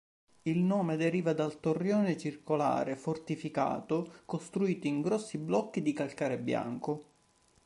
Il nome deriva dal torrione circolare fortificato costruito in grossi blocchi di calcare bianco.